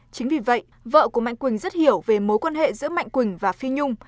chính vì vậy vợ của mạnh quỳnh rất hiểu về mối quan hệ giữa mạnh quỳnh và phi nhung